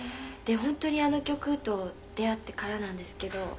「本当にあの曲と出会ってからなんですけど」